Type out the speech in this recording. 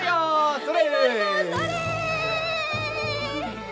それ！